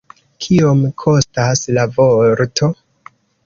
Kiom kostas la vorto?